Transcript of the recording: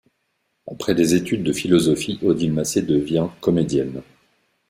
Après des études de philosophie, Odile Massé devient comédienne.